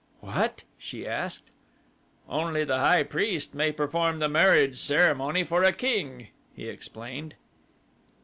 "What?" she asked. "Only the high priest may perform the marriage ceremony for a king," he explained.